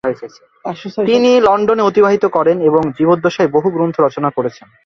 তিনি লণ্ডনে অতিবাহিত করেন এবং জীবদ্দশায় বহু গ্রন্থ রচনা করেছেন।